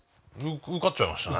受かっちゃいましたね。